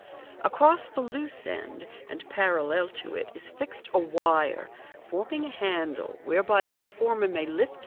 Across the loose end, and parallel to it, is fixed a wire, forming a handle whereby the performer may lift MODERN MAGIC.